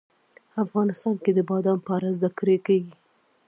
افغانستان کې د بادام په اړه زده کړه کېږي.